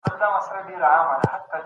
ډيموکراسي د خلګو د ګډون پر بنسټ ولاړه ده.